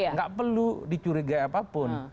tidak perlu dicurigai apapun